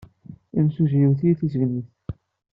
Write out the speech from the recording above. Imsujji iwet-iyi tissegnit.